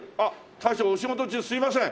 大将お仕事中すいません。